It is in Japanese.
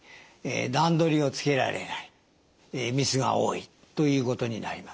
段取りをつけられないミスが多いということになります。